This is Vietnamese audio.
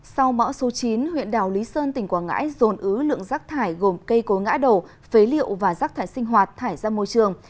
sau bão số chín huyện đảo lý sơn tỉnh quảng ngãi dồn ứ lượng rác thải gồm cây cối ngã đổ phế liệu và rác thải sinh hoạt thải ra môi trường